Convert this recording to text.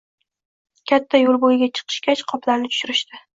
Katta yoʻl boʻyiga chiqishgach, qoplarni tushirishdi.